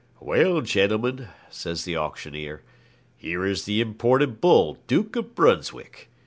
'Well, gentlemen,' says the auctioneer, 'here is the imported bull "Duke of Brunswick".